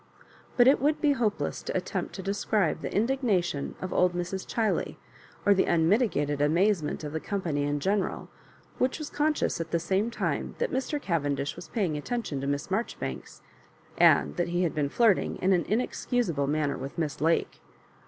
But it would be hopeless to attempt to describe the indignation of old Mrs. Chiley, or the unmitigated amazement of the company m general, which was conscious at the same time that Mr. Caven dish was paying attention to Miss Marjoribanks, and that he had been flirting in an inexcusable manner with Miss Lake.